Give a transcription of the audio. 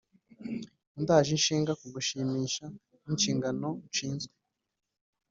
undaje ishinga, kugushimisha ninshingano nshizwe,